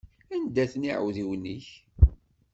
Anda-ten iεudiwen-ik?